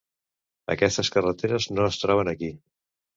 Aquestes carreteres no es troben aquí.